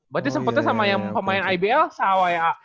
berarti sempetnya sama yang pemain ibl sama a